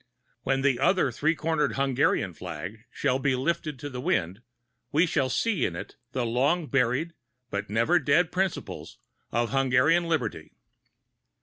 When the other three cornered Hungarian flag shall be lifted to the wind, we shall see in it the long buried but never dead principles of Hungarian liberty.